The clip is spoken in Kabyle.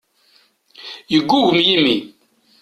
Yeggugem yimi.